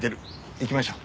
行きましょう。